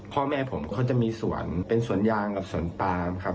พ่อแม่ผมเขาจะมีสวนเป็นสวนยางกับสวนปามครับ